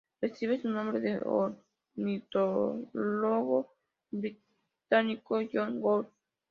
Recibe su nombre del ornitólogo británico John Gould.